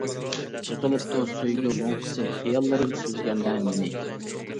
چېقىلىپتۇ سۆيگۈ لوڭقىسى خىياللىرىم سۈزگەندە مېنى.